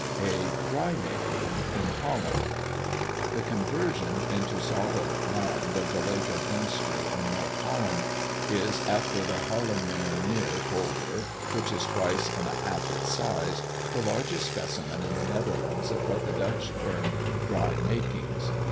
A "DRY MAKING" IN HOLLAND. The conversion into solid land of the Lake of Beemster, in North Holland, is, after the Haarlemmermeer Polder (which is twice and a half its size), the largest specimen in the Netherlands of what the Dutch term "dry makings."